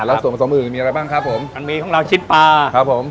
แล้วส่วนผสมอื่นมีอะไรบ้างครับผมมันมีของเราชิ้นปลาครับผม